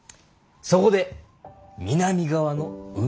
そこで南側の海だ。